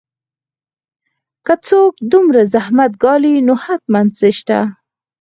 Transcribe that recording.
که څوک دومره زحمت ګالي نو حتماً څه شته